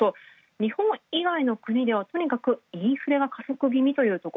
日本以外の国ではとにかくインフレが加速気味。